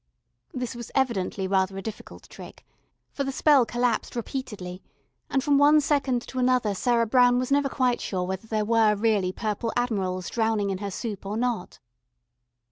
This was evidently rather a difficult trick, for the spell collapsed repeatedly, and from one second to another Sarah Brown was never quite sure whether there were really Purple Admirals drowning in her soup or not.